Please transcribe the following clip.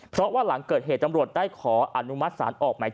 เพราะว่าหลังเกิดเหตุตำรวจได้ขออนุมัติศาลออกหมายจับ